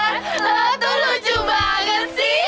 lo tuh lucu banget sih